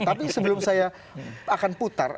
tapi sebelum saya akan putar